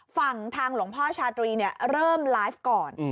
ฝั่งทางหลวงพ่อชาตรีเริ่มไลฟ์ก่อน